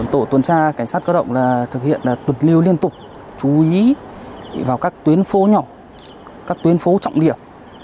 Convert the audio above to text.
tổ tuần tra cảnh sát cơ động thực hiện tuần lưu liên tục chú ý vào các tuyến phố nhỏ các tuyến phố trọng điểm